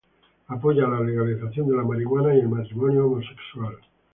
Apoya la legalización de la marihuana y el matrimonio homosexual.